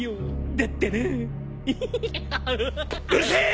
うるせえ！